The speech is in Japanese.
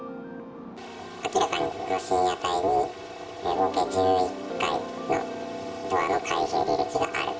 明らかに深夜帯に、合計１１回のドアの開閉履歴があると。